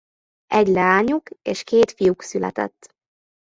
Egy leányuk és két fiuk született.